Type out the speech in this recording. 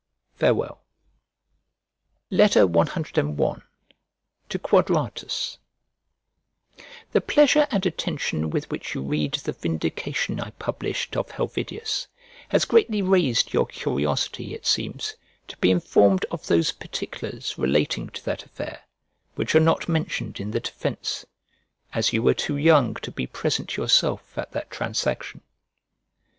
Farewell. CI To QUADRATUS THE pleasure and attention with which you read the vindication I published of Helvidius, has greatly raised your curiosity, it seems, to be informed of those particulars relating to that affair, which are not mentioned in the defence; as you were too young to be present yourself at that transaction.